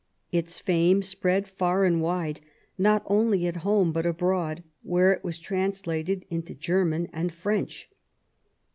Its fame spread far and wide, not only at home but abroad, where it was trans lated into German and French.